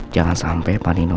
jangan sampai panino